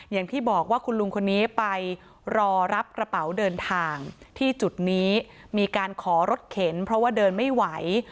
อย่างที่บอกว่าคุณลุงคนนี้ไปรอรับกระเป๋าเดินทางที่จุดนี้มีการขอรถเข็นเพราะว่าเดินไม่ไหว